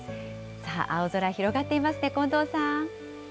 さあ、青空、広がっていますね、近藤さん。